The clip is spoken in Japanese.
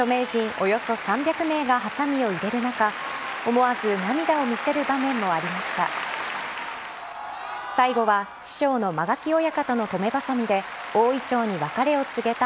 およそ３００名がはさみを入れる中思わず涙を見せる場面もありました。